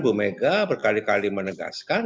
bu mega berkali kali menegaskan